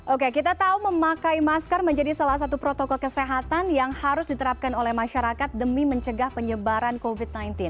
oke kita tahu memakai masker menjadi salah satu protokol kesehatan yang harus diterapkan oleh masyarakat demi mencegah penyebaran covid sembilan belas